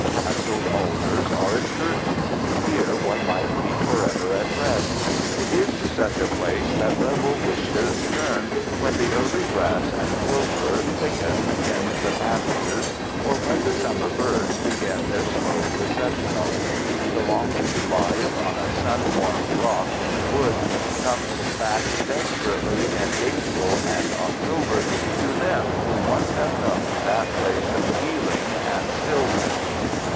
Tasseled alders are its curtains. Here one might be forever at rest. It is to such a place that rebel wishes turn when the early grass and clover thicken in the pastures or when the summer birds begin their slow recessional. The longing to lie upon a sun warmed rock in the woods comes back desperately in April and October to them who once have known that place of healing and stillness.